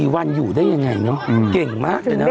๔วันอยู่ได้ยังไงเนอะเก่งมากเลยนะ